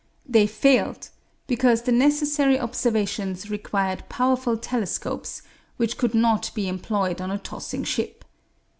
They failed because the necessary observations required powerful telescopes, which could not be employed on a tossing ship.